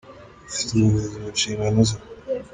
ufite ubuvuzi mu nshingano ze